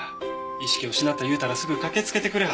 意識を失った言うたらすぐ駆けつけてくれはった。